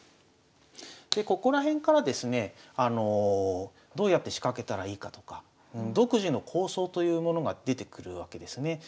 でここら辺からですねどうやって仕掛けたらいいかとか独自の構想というものが出てくるわけですね。